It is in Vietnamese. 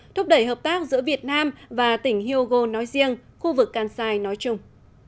thúc đẩy hợp tác giữa việt nam và tỉnh hyogo nói riêng khu vực kansai nói chung